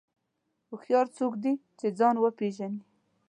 هوښیار څوک دی چې ځان وپېژني.